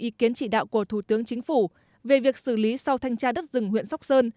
ý kiến chỉ đạo của thủ tướng chính phủ về việc xử lý sau thanh tra đất rừng huyện sóc sơn